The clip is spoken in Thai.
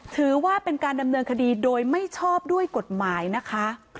ถือว่าเป็นการดำเนินคดีโดยไม่ชอบด้วยกฎหมายนะคะ